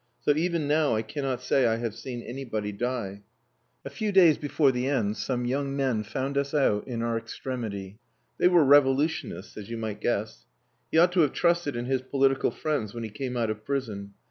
So even now I cannot say I have seen anybody die. A few days before the end, some young men found us out in our extremity. They were revolutionists, as you might guess. He ought to have trusted in his political friends when he came out of prison.